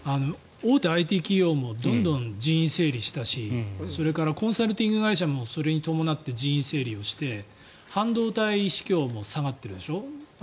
大手ＩＴ企業もどんどん人員整理したしそれからコンサルティング会社もそれに伴って人員整理して半導体市況も下がってるでしょ。